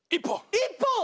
１本！？